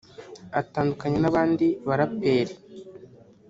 atandukanye n’abandi baraperi